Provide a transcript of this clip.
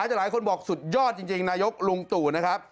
แต่หลายคนบอกสุดยอดจริงนายกลุงตู่นะครับ